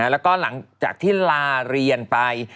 แล้วก็หลังจากที่ลาเรียนไป